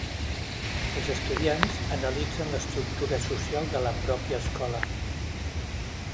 Els estudiants analitzen l'estructura social de la pròpia escola.